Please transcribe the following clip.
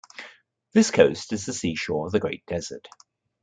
This coast is the seashore of the Great Desert.